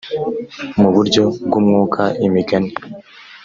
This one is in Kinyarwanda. mu buryo bw umwuka imigani